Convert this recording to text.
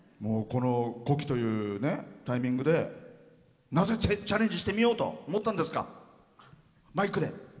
この古希というタイミングでなぜチャレンジしてみようと思ったんですか？